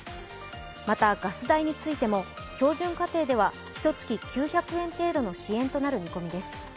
また、ガス代についても、標準家庭ではひと月９００円程度の支援となる見込みです。